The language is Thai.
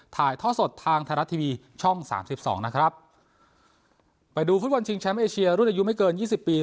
ถ่ายท่อสดทางไทยรัฐทีวีช่องสามสิบสองนะครับไปดูฟุตบอลชิงแชมป์เอเชียรุ่นอายุไม่เกินยี่สิบปี